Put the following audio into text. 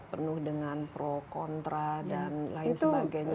penuh dengan pro kontra dan lain sebagainya